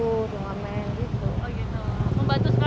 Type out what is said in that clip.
membantu sekali ya kak